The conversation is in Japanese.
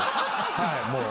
はいもう。